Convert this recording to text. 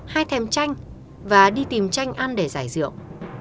hai thèm chanh và đi tìm tranh ăn để giải rượu